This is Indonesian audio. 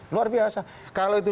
luar biasa kalau itu